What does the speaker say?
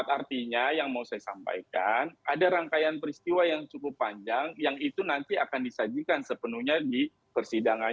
artinya yang mau saya sampaikan ada rangkaian peristiwa yang cukup panjang yang itu nanti akan disajikan sepenuhnya di persidangan